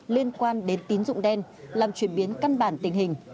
liên quan đến tín dụng đen làm chuyển biến căn bản tình hình